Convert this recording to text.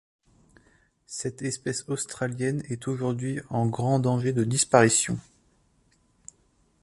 Cette espèce australienne est aujourd'hui en grand danger de disparition.